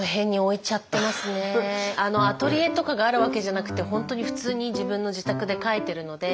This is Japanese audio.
アトリエとかがあるわけじゃなくて本当に普通に自分の自宅で描いてるので。